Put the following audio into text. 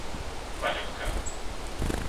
Vaňovka